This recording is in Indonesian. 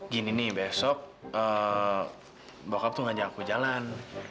gini nih besok bokap tuh ngajak aku jalan